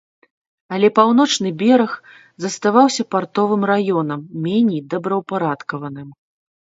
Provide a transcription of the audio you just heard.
Але паўночны бераг заставаўся партовым раёнам, меней добраўпарадкаваным.